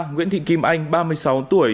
nguyễn thị kim anh ba mươi sáu tuổi